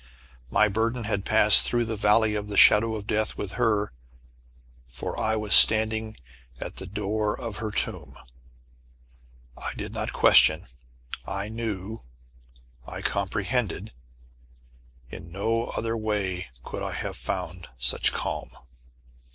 My burden had passed through the Valley of the Shadow of Death with her for I was standing at the door of her tomb! I did not question. I knew, I comprehended. In no other way could I have found such calm.